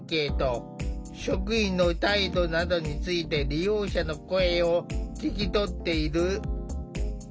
職員の態度などについて利用者の声を聞き取っている。